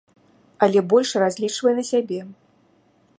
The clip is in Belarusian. Але больш разлічвае на сябе.